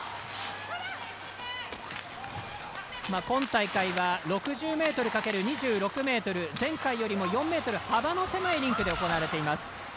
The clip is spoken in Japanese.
今大会は６０ｍかける２６ｍ前回よりも４ｍ幅の狭いリンクで行われています。